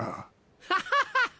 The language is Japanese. ハハハ！